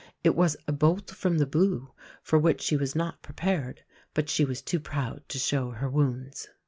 It was a "bolt from the blue," for which she was not prepared. But she was too proud to show her wounds.